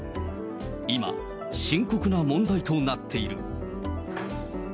今、深刻な問題となっている。